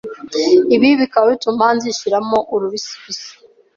ibi bikaba bituma zishiramo urubisibisi